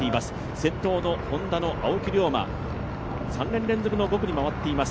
先頭のＨｏｎｄａの青木涼真、３年連続の５区に回っています。